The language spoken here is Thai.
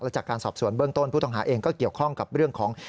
จากการสอบสวนเบื้องต้นผู้ต้องหาเองก็เกี่ยวข้องกับเรื่องของ